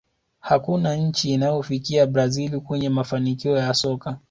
hakuna nchi inayofikia brazil kwenye mafanikio ya soka